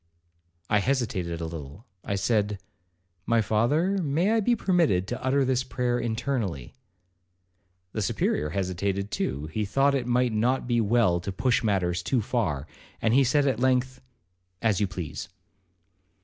I hesitated a little. I said, 'My father, may I be permitted to utter this prayer internally?' The Superior hesitated too; he thought it might not be well to push matters too far, and he said at length, 'As you please.'